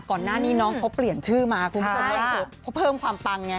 ก่อนหน้านี้น้องเขาเปลี่ยนชื่อมาเพิ่มความปังไง